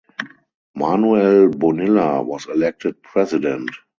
Manuel Bonilla was elected president.